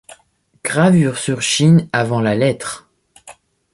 Gravures sur chine, avant la lettre.